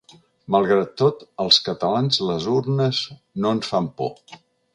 Malgrat tot, als catalans les urnes no ens fan por.